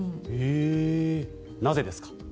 なぜですか？